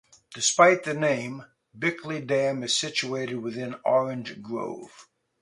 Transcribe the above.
Despite the name, Bickley Dam is situated within Orange Grove.